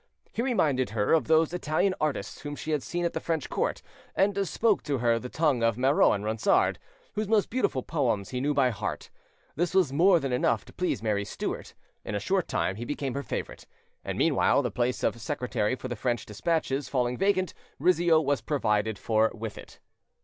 He reminded her of those Italian artists whom she had seen at the French court, and spoke to her the tongue of Marot and Ronsard, whose most beautiful poems he knew by heart: this was more than enough to please Mary Stuart. In a short time he became her favourite, and meanwhile the place of secretary for the French despatches falling vacant, Rizzio was provided for with it.